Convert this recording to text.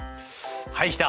はいきた！